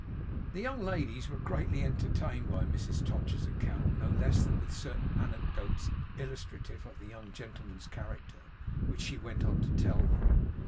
The young ladies were greatly entertained by Mrs Todgers's account, no less than with certain anecdotes illustrative of the youngest gentleman's character, which she went on to tell them.